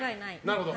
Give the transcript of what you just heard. なるほど。